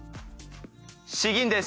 詩吟です。